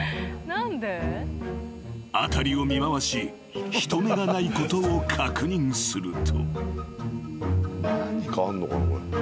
［辺りを見回し人目がないことを確認すると］